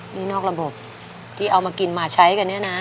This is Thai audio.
นี่นอกระบบที่เอามากินมาใช้กันเนี่ยนะ